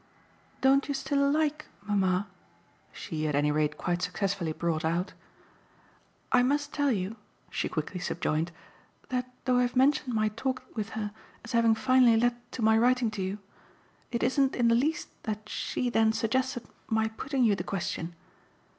"Don't you still LIKE mamma?" she at any rate quite successfully brought out. "I must tell you," she quickly subjoined, "that though I've mentioned my talk with her as having finally led to my writing to you, it isn't in the least that she then suggested my putting you the question.